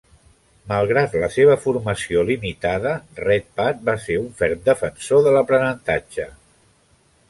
Malgrat la seva formació limitada, Redpath va ser un ferm defensor de l'aprenentatge.